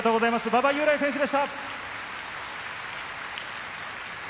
馬場雄大選手でした。